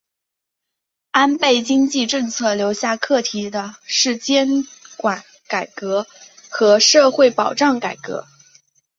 安倍经济政策留下课题的是监管改革和社会保障改革。